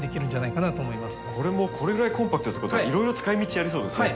これもこれぐらいコンパクトってことはいろいろ使い道ありそうですね。